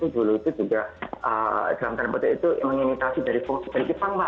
dulu itu juga drama terpeta itu mengimitasi dari fungsi dari jepang pak